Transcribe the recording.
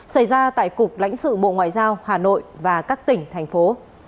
xảy ra tại cục lãnh sự bộ ngoại giao hà nội và các tỉnh thành phố